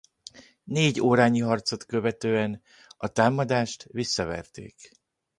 Négy órányi harcot követően a támadást visszaverték.